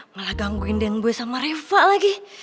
malah gangguin den boy sama reva lagi